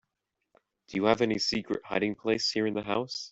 Do you have any secret hiding place here in the house?